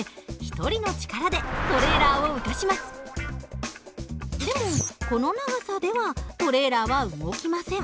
でもこの長さではトレーラーは動きません。